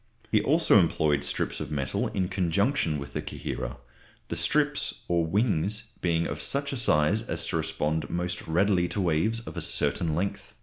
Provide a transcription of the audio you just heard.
He also employed strips of metal in conjunction with the coherer, the strips or "wings" being of such a size as to respond most readily to waves of a certain length.